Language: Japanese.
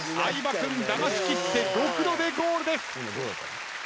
君だましきってドクロでゴールです。